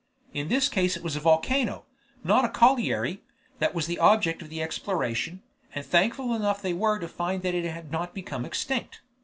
In this case it was a volcano, not a colliery, that was the object of exploration, and thankful enough they were to find that it had not become extinct.